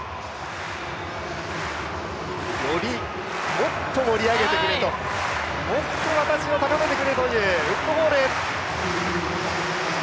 もっと盛り上げてくれと、もっと私を高めてくれというウッドホール。